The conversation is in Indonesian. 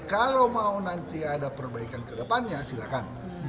kalau mau nanti ada perbaikan ke depannya silakan